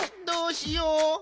「どうしよう」。